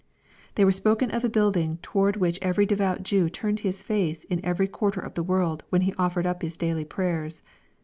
They were spoken of a building toward which every devout Jew turned his face in every quarter of the world, when he offered up his daily prayers.